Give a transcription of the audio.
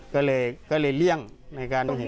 ก็เลยเลี่ยงในการดูแลตัว